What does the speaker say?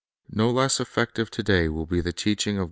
No less effective to day will be the teaching of IDeut.